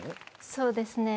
そうですね。